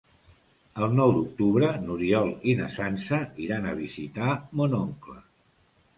El nou d'octubre n'Oriol i na Sança iran a visitar mon oncle.